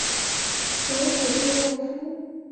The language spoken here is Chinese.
首府利沃夫。